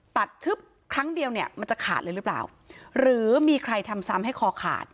ชึบครั้งเดียวเนี่ยมันจะขาดเลยหรือเปล่าหรือมีใครทำซ้ำให้คอขาด